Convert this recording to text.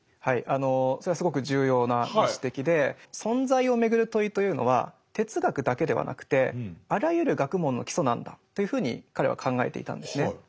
はいあのそれはすごく重要なご指摘で存在をめぐる問いというのは哲学だけではなくてあらゆる学問の基礎なんだというふうに彼は考えていたんですね。